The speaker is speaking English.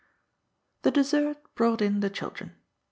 The dessert brought in the children.